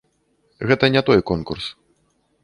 Гэта не той конкурс.